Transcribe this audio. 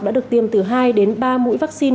đã được tiêm từ hai đến ba mũi vaccine